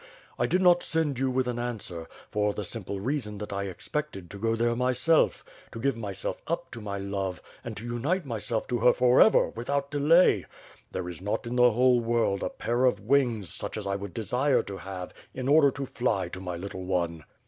I did not send you with an answer, for the simple reason that I ex pected to go there myself; to give myself up to my love and to unite myself to her forever, without delay. There is not WITH FIRE AND SWORD, 395 in the whole world a pair of wings such as I would desire to have, in order to fly to my little one."